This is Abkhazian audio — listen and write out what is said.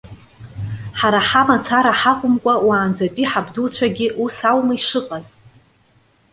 Ҳара ҳамацара ҳакәымкәа уаанӡатәи ҳабдуцәагьы, ус аума ишыҟаз?